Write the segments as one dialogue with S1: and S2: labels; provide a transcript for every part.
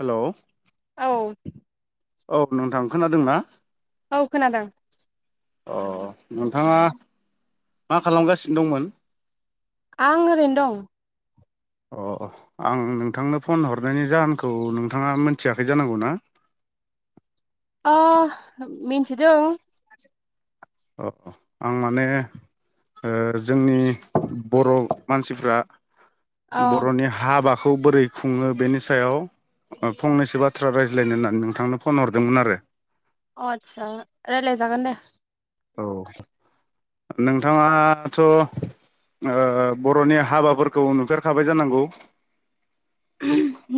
S1: हेल'
S2: औ
S1: औ नोंथां खोनादोंना
S2: औ खोनादों
S1: अ नोंथाङा मा खालामगासिनो दंमोन?
S2: आं ओरैनो दं
S1: अ आं नोंथांनो फन हरनायनि जाहोनखौ नोंथाङा मोनथियाखै जानांगौ ना
S2: मिथिदों
S1: अ आं माने जोंनि बर' मानसिफ्रा
S2: अ
S1: बर'नि हाबाखौ खौ बोरै खुङो बेनि सायाव फंनैसो बाथ्रा रायज्लायनो होननानै नोंथांनो फन हरदोंमोन आरो
S2: अ आस्सा राज्लाय जागोन दे
S1: औ नोंथाङाथ' बर'नि हाबाफोरखौ नुफेरखाबाय जानांगौ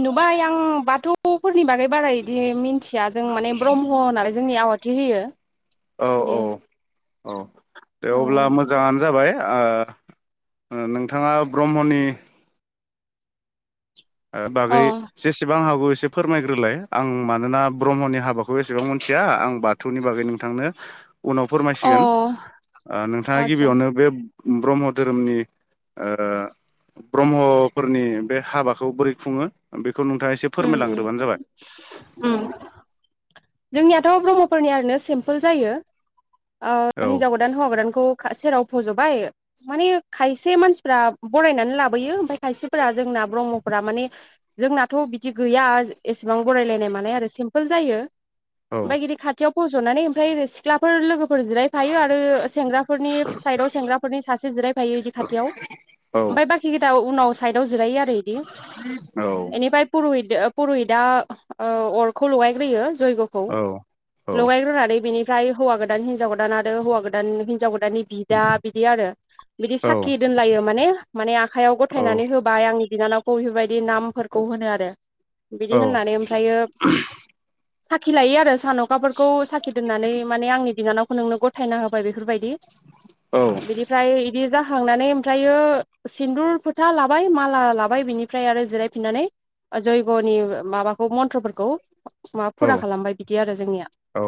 S2: नुबाय आं बाथौफोर सोरनि बागै बारा बिदि मिन्थिया जों माने ब्रह्म नालाय जोंनिया आहुथि गियो
S1: औ औ
S2: दे
S1: औ दे अब्ला मोजाङानो जाबाय नोंथाङा ब्रह्मनि
S2: औ
S1: बागै जेसेबां हागौ एसे फोरमायग्रोलाय आं मानोना ब्रह्मनि हाबाखौ एसेबां मिथिया आं बाथौनि बागै नोंथांनो उनाव
S2: औ
S1: फोरमायसिगोन नोंथाङा
S2: आदसा
S1: गिबियावनो बे ब्रह्म धोरोमनि ब्रह्मफोरनि बे हाबा बोरै खुङो बे खौ नोंथाङा एसे
S2: उम उम
S1: फोरमायलांग्रोबानो जाबाय
S2: उम जोंनियाथ' ब्रह्मफोरनिया ओरैनो सिम्पोल जायो औ हिन्जाव गोदान हौवा गोदानखौ सेराव फज'बाय माने खायसे मानसिफ्रा बरायनानै लाबोयो ओमफफ्राय खायसेफोरा जोंना ब्रह्मफोरा माने जोंनाथ' बिदि गैया एसेबां बरायलायनाय मानाय आरो सिम्पोल जायो
S1: औ
S2: बमिर खाथियाव फज'नानै ओमफ्राय सिख्लाफोर लोगो जिरायफायो आरो सेंग्राफोरनि साइद आ सेंग्राफोरनि सासे जिरायफायो बिदि खाथियाव
S1: औ
S2: ओमफ्राय बाखि गदा उनाव साइदआव ज
S1: औ
S2: बिनि पुरुहिता अरखौ लगायग्रोयो जय
S1: औ औ
S2: लगायग्रोनानै बिनि फओफ्राय हौवा गोानिनजाव गोदान आरो हौव गोदान हिनजाव गोदान बि दानि बिदा बिदि आरो बिदि साखि दोनलायो माने माने आखाइायाव
S1: औ
S2: गथायनानै होबाय आं बिनानावखौ बेफोरबायदि नामफोरखौ होनो आरो बिदि
S1: औ
S2: होननानै ओमफ्रायो ाखि लायो आरो सान'खाफोरखौ साखि दोननानै माने आंनि बिनानाव नोंनो गथायना होबाय बे बेफोरबायदि बिनिफ्राय बिदि जाहांनानै ओमफ्रायो सिन्दुर फोथा लाबाय माला लाबाय बिनिफ्राय आरो जिरायफिननानै जयग'नि माबाखौ मन्थ्रफोरखौ म फुरा खालामबाय बिदि आरो जोंनिया
S1: औ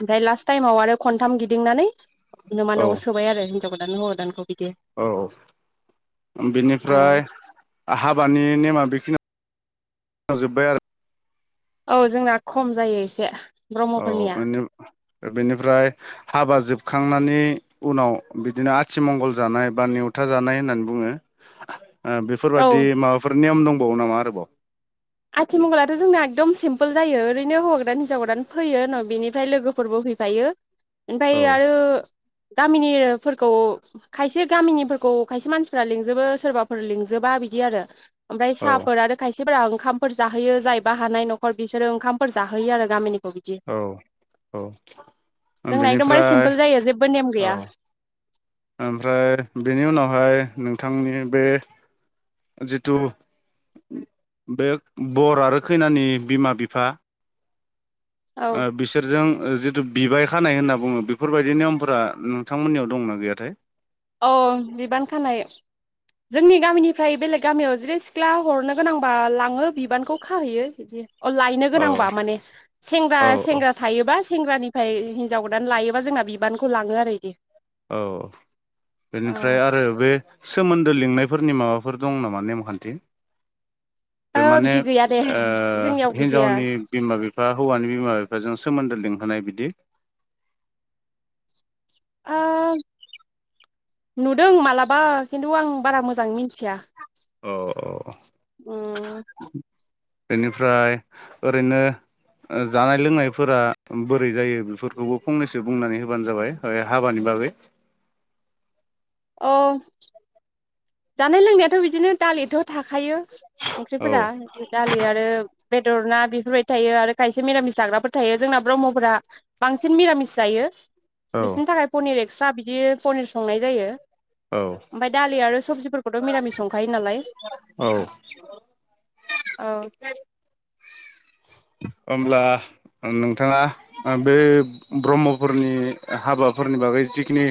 S2: ओमफ्राय लास्ट टाइमाव आरो खनथाम गिदिंनानै न मा न'आव सोबाय आरो हिनजावखौ दानोखौ
S1: औ
S2: औ
S1: बिनिफ्राय हाबानि नेमा बेखिनि जोबायार
S2: औ जोंना खम जायो एसे
S1: औ
S2: ब्रह्मफोरनिया
S1: बेनिफ्राय हाबा जोबखांनायनि उनाव बिदिनो आथिमंगल जानाय बा नेवथा जानाय होननानै बुङो
S2: औ
S1: बेफोरबायाददि माबाफोर नेयम दंबावो नामा आरोबाव
S2: आथिमंगलाथ' जोंना एकदम सिम्पोल सोल जायो ओरैनो हौा गोदान हिनजाव गोदान फैयो उनाव बिनिफ्राय लोगोफोरबो हैफायो
S1: औ
S2: बाय आयु गामिनिफोरखौ खायसे गामिनिफोरखौ खायसे मानसिफ्रा लिंजोबो सोरबाफोर लिंजोबा बिदि आरो ओमफ्राय
S1: औ
S2: साहाफोर आरो खायसे फोरा ओंखाम फोर जाहोयो जायब हानाय न'खर बिसोरो ओंखामफोर जाहोयो आरो गामिनि
S1: औ औ
S2: जोंना एकदमबारे
S1: बेनिफ्राय
S2: सिम्पोल जायो जेबो नेम
S1: औ
S2: गैया
S1: ओमफ्राय बेनि उनावहाय नों थांनि बे जिथु बे बर आरो खैनानि बिमा बिफा
S2: औ
S1: बिसोरजों जि बिबाय खानाय होनना बुङो बेफोरबायदि नियमफोरा नोंथांमोननियाव दंना गैयाथाय
S2: औ बिबान खानाय जोंनि गामिनिफ्राय बेलेग गामियाव जिरै सिख्ला हरनो गोनांबा लाङो बिबानखौ खाहैयो बिदि अ लायनो
S1: औ
S2: गोनांबा माने सेंग्रा
S1: औ
S2: सेंग्रा थायोबा सेंग्रानिफ्राय हिन्जाव गोदान लायोबा जोंना बिबानखौ लाङो आरो इदि
S1: औ
S2: औ
S1: बेनिफ्राय आरो बे सोमोन दो लिंनायफोरनि माबाफोर दं नामा नेमखान्थि
S2: ओ
S1: बे माने
S2: बिदि गैया दे जोंनियाव
S1: ओ
S2: गैजाया
S1: हिनजावनि बिमा बिफा हौवानि बिमा बिफा जों सोमोन्दो लिंहोनाय बिदि
S2: ओ नुदों मालाबा खिन्थु आं बारा मोजां मिथिया
S1: औ औ
S2: उम
S1: बेनिफ्राय ओरैनो जानाय लोंनायफोरा बोरै जायो बेफोरखौबो फंनैसो बुंनानै होबानो जाबाय हाबानि बागै
S2: औ जानाय लोंनायाथ' बिदिनो दालिथ' थाखायो
S1: औ
S2: ओंख्रिफोरा जे दालि आरो बेदर ना बेफोरबायदि थायो आरो खायसे मिरामिस जाग्राफोर थायो जोंना ब्रह्मफोरा बांसिन मिरामिस जायो।
S1: औ
S2: बिसोरनि थाखाय पनिर स्रा बिदि पनिर संनाय जायो
S1: औ
S2: ओमफाय दालि आरो सबजिफोरखौथ' निरामिस संखायो नालाय
S1: औ
S2: औ
S1: ओमब्ला नोंथाङा बे ब्रह्मफोरनि हाबाफोरनि बागै जिखिनि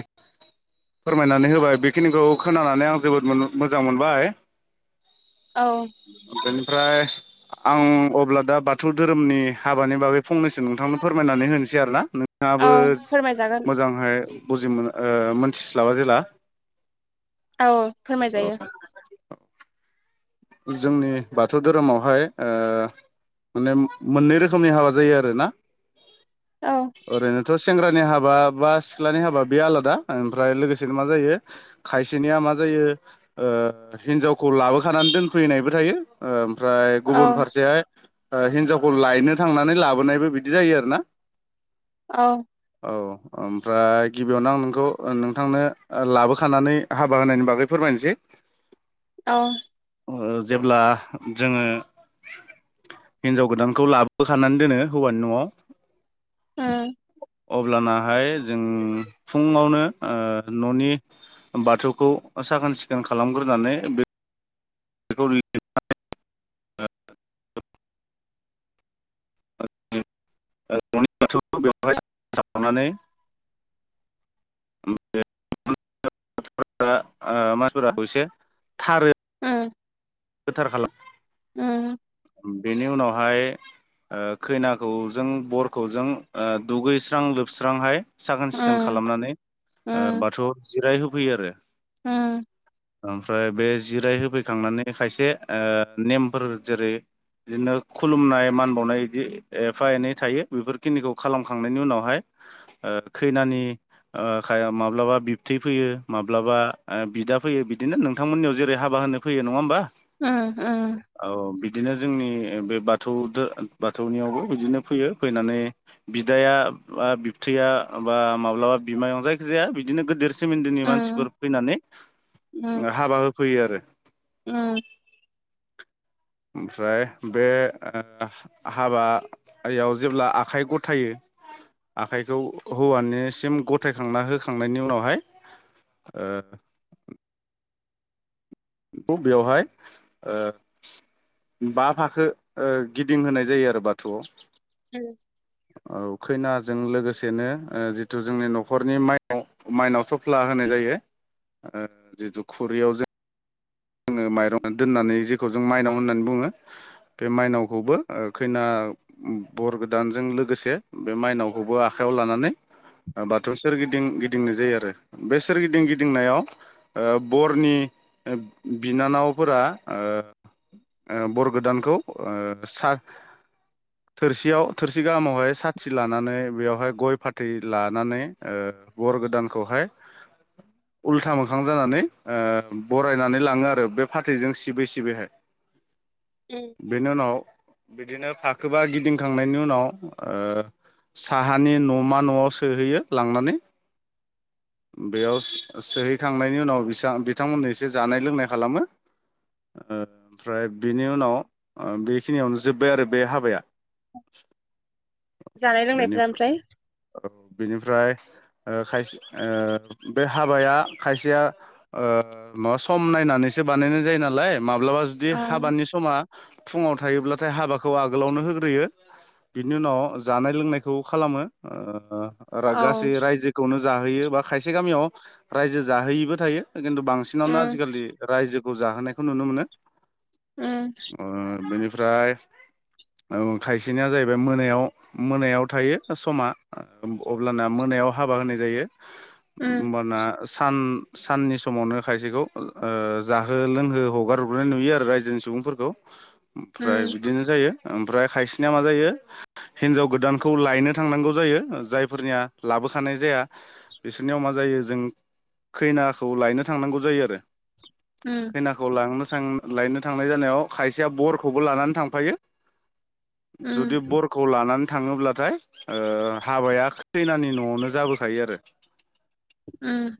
S1: फोरमायनानै होबाय बेखिनिखौ खोनानानै आं जोबोद मोजां मोनबाय
S2: औ
S1: [unintelligible] ओमफ्राय आं अब्ला दा बाथौ धोरोमनि हाबानि बाबै फंनैसो नोंथांमोन फोरमायनानै होनोसै आरोना
S2: औ
S1: नाबो
S2: फोरमायजागोन
S1: मोजांहाय बुजि मो मिथिस्लाबा जेला
S2: अ फोरमायजायो
S1: जोंनि बाथौ धोरोमावहाय ओ माने मोननै रोखोमनि हाबा जायो आरोना
S2: औ
S1: ओरैनोथ सेंग्रा नि हाबा बा सिख्लानि हाबा, बे आलादा। ओमफ्राय लोगोसेनो मा जायो, खायसेनिया मा जायो, ओ हिनजावखौ लाबोखानानै दोन फैनायबो थायो। ओम फ्राय
S2: औ
S1: गुबुन फारसेहाय ओ हिनजावखौ लायनो थांनानै लाबोनायबो बिदि जायो आरो ना।
S2: औ।
S1: औ। ओमफ्राय गिबियावनो आं नोंखौ नोंथांनो ओ लाबोखानानै हाबा होनायनि बागै फोरमायनोसै।
S2: औ।
S1: ओ, जेब्ला जोङो हिन्जाव गोदानखौ लाबोखानानै दोनो हौवानि न'आव।
S2: ओ।
S1: अब्लानाहाय जों फुङावनो ओ न'नि बाथौखौ साखोन सिखोन खालामग्रोनानै बे बेखौ‌ [unintelligible] [unintelligible] [unintelligible] एसे थारो।
S2: उम
S1: गोथार
S2: उम
S1: खालाम [inaudible] बेनि उनावहाय ओ खैनाखौजों बरखौजों ओ दुगैस्रां लोबस्रांहाय साखोन सिखोन
S2: उम
S1: खालामनानै ओ
S2: उम
S1: बाथौआव जिराय हो फैयो आरो।
S2: [inaudible]
S1: ओमफ्राय बे जिराय होफैखांनानै बे खायसे‌ ओ नेमफोर जेरै बिदिनो खुलुमनाय, मान बावनाय इदि एफा एनै थायो। बेफोरखिनिखौ खालामखांनायनि उनावहाय ओ खाया खैनानि माब्लाबा बिबथै फैयो, माब्लाबा बिदा फैयो, बिदिनो नोंथांमोननियाव जेरै हाबा होनो फैयो, नङा होमबा?
S2: उम उम।
S1: दिनो जोंनि बे बाथौ दो बाथौनियावबो बिदिनो फैयो। फैनानै बिदाया बा बिबथैया बा माब्लाबा बिमायं जायखिजाया बिदिनो गोदोर सो सोमोनदोनि
S2: उम
S1: मानसिफोर फैनानै
S2: उम
S1: हाबा होफैयो आरो।
S2: उम।
S1: ओमफ्राय बे हाबायाव जेब्ला आखाइ गथायो आखाइखौ हौवानिसिम गथायखांना होखांनायनि उनावहाय ओ बेखौ बेवहाय ओ बा फाखो ओ‌ गिदिंहोनाय जायो आरो बाथुवाव।
S2: [inaudible]
S1: औ खैनाजों लोगोसेनो ओ जिथु जोंनि न'खरनि माइनाव माइनाव थफ्ला होनाय जायो ओ जिथु खुरैयाव जोङो माइरं दोननानै जेखौ जों माइनाव होननानै बुङो। बे माइनावखौबो ओ खैना बर गोदानजों लोगोसे बे माइनावखौबो आखाइयाव लानानै बाथौ सोरगिदिं गिदिंनाय जायो आरो। बे सोरगिदिं गिदिंनायाव ओ‌ बरनि ओ बिनानावफोरा ओ ओ बर गोदानखौ ओ साथ थोरसियाव थोरसि गाहामावहाय साथि लानानै बेयावहाय गय फाथै लानानै ओ बर गोदानखौहाय उल्था मोखां जानानै बरायनानै लाङो आरो बे फाथैजों सिबोै सिबैहाय।
S2: उम
S1: बेनि उनाव बिदिनो फाखोबा गिदिंखांनायनि उनाव ओ साहानि न'मा न'आव सोहैयो लांनानै। बेयाव सोहैखांनायनि उनाव बिसां बिथांमोननि एसे जानाय लोंनाय खालामो। ओमफ्राय बिनि उनाव ओ बेखिनियावनो जोब्बाय आरो बे हाबाया।
S2: जानाय
S1: बेनि
S2: लोंनायफोरा
S1: [unintelligible]
S2: ओमफ्राय
S1: औ बेनिफ्राय ओ खायसे ओ‌ बे हाबाया खायसेया ओ [unintelligible] सम नायनानैसो बानायनाय जायो नालाय। माब्लाबा जुदि
S2: औ
S1: हाबानि समा फुङाव थायोब्लाथाय हाबाखौ आगोलावनो होग्रोयो बिनि उनाव जानाय लोंनायखौ खालामो। ओ रा
S2: औ
S1: गासै रायजोखौनो जाहोयो बा खायसे गामियाव रायजो जाहैयिबो थायो। खिन्थु बांसिनावनो
S2: उम
S1: आजिखालि रायजो खौशजाहोनायखौ नुनो मोनो।
S2: उम
S1: [inaudible] ओ बेनिफ फ्राय खायसेनिया जाहैबाय मोनायाव मोनायाव थायो समा अब्लाना मोनायाव हाबा होनाय जायो।
S2: उम
S1: ओमबाना सान साननि समावनो खायसेखौ ओ जाहो लोंहो हगार हरग्रोनाय नुयो आरो रायजोनि सुबुंफोरखौ ओमफ्राय
S2: उम
S1: बिदिनो जायो। ओमफ्राय खायसेनिया मा जायो हिन्जाव गोदानखौ लायनो थांनांगौ जायो जायफोरनिया लाबोखानाय जाया बिसोरनियाव मा जायो जों खैनाखौ लायनो थांनांगौ जायो आरो। खैनाखौ लांनो थां [unintelligible] लायनो थांनाय जानायाव खायसेया बरखौबो लानानै थांफायो। जुदि
S2: उम
S1: बरखौ लानानै थाङोब्लाथाय ओ हाबाया खैनानि न'आवनो जाबोखायो आरो।
S2: उम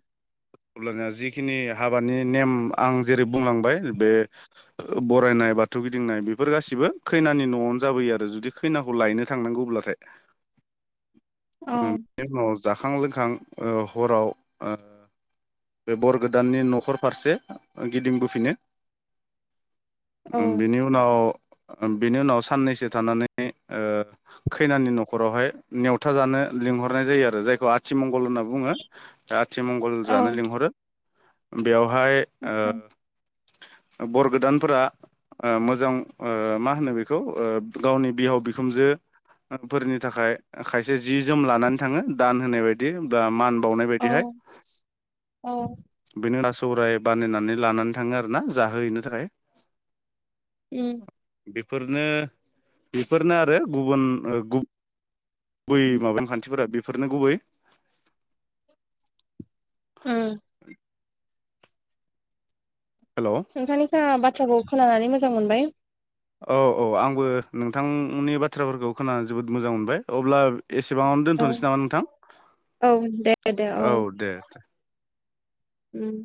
S1: अब्लानिया जिखिनि हा बानि नेम आं जेरै बुंलांबाय बे बरायनाय बाथौ गिदिंनाय बेफोर गासिबो खैनानि न'आवनो जाबोयो आरो जुदि खैनाखौ लायनो थांनांगौब्लाथाय। [inaudible] उम
S2: औ
S1: बेनि उनाव जाखां लोंखां हराव बे बर गोदाननि न' खर फारसे गिदिंबोफिनो।
S2: औ
S1: उम बेनि उनाव ओ बिनि उनाव साननैसो थानानै ओ खैनानि न'खरावहाय नेवथा जानो लिंहरनाय जायो आरो जायखौ आथि मं गल होनना बुङो दाशआथिमंगल
S2: औ
S1: जानो लिंहरो। बेयाव हाय
S2: आतसा
S1: ओ बर गोदानफोरा आ मोजां ओ मा होनो बेखौ गावनि बिहाव बिखुनजोफोरनि थाखाय खायसे जि जोम लानानै थाङो दान होनाय बाय दि बा मान बावनाय बायदिहाय
S2: औ औ
S1: सौराय बानायनानै लानानै थाङो आरो ना जाहोहैनो थाखाय।
S2: उम
S1: फोरनो बेफोरनो आरो गुबुन ओ गुब बै माबानि खान्थिफोरा बेफ फोरनो गुबै
S2: उम
S1: [inaudible] हेलौ
S2: नोंथांनिखौ बाथ बाथ्राखौ खोनानानै मोजां मोनबाय।
S1: औ औ आंबो नोंथांनि बाथ्राफोरखौ खोनानै जोबोद मोजां मोनबाय अब्ला। एसेबांआवनो
S2: औ
S1: दोनथ'नोसै नामा नोंथां
S2: औ दे दे
S1: औ दे दे।
S2: उम।